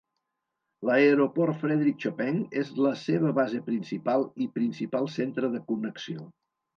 L'Aeroport Frederic Chopin és la seva base principal i principal centre de connexió.